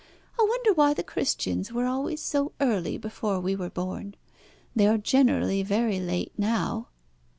I wonder why the Christians were always so early before we were born? They are generally very late now."